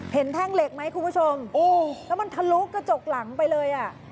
แท่งเหล็กไหมคุณผู้ชมแล้วมันทะลุกระจกหลังไปเลยอ่ะ